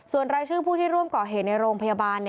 ส่วนรายชื่อผู้ที่ร่วมก่อเหตุในโรงพยาบาล